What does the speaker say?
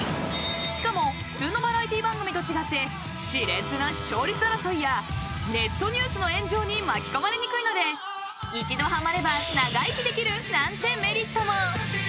［しかも普通のバラエティー番組と違って熾烈な視聴率争いやネットニュースの炎上に巻き込まれにくいので一度はまれば長生きできるなんてメリットも］